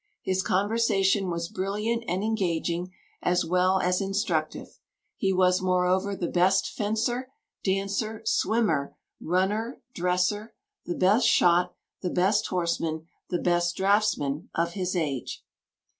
His conversation was brilliant and engaging, as well as instructive. He was, moreover, the best fencer, dancer, swimmer, runner, dresser, the best shot, the best horseman, the best draughtsman, of his age."